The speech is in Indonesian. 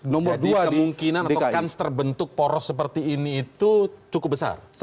jadi kemungkinan untuk kans terbentuk poros seperti ini itu cukup besar